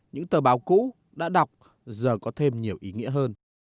những tờ báo cũ đã đọc giờ có thêm nhiều ý nghĩa hơn